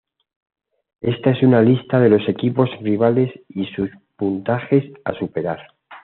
Esta es una lista de los equipos rivales y sus puntajes a superar.